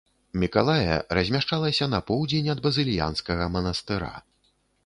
Мікалая размяшчалася на поўдзень ад базыльянскага манастыра.